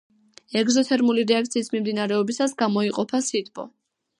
ეგზოთერმული რეაქციის მიმდინარეობისას გამოიყოფა სითბო.